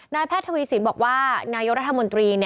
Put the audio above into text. แพทย์ทวีสินบอกว่านายกรัฐมนตรี